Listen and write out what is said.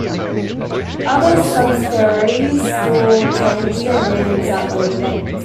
Other subsidiaries will change their names at later dates.